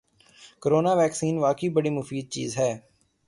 corona vaccine واقعی بڑی مفید چیز ہے